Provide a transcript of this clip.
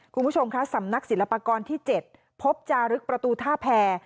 คุณผู้ชมคะสำนักศิลปากรที่๗พบจารึกประตูท่าแพร